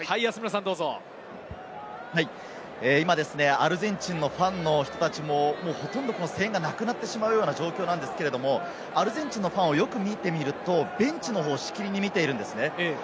アルゼンチンのファンの人たちも声援がなくなってしまうような状況なんですが、アルゼンチンのファンを見てみると、ベンチの方をしきりに見ています。